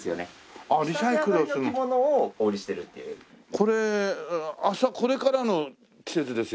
これ麻これからの季節ですよね。